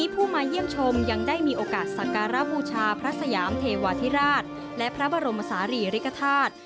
พระพระสยามเทวาธิราชและพระบรมศาลีริกฐาตร